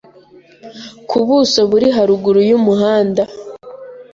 ku buso buri haruguru y’umuhanda